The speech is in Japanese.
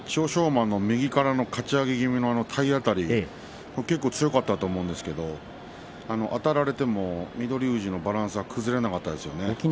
馬の右からのかち上げ気味の体当たりが結構、強かったと思うんですがあたられても、翠富士のバランスは崩れなかったですね。